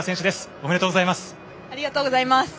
ありがとうございます。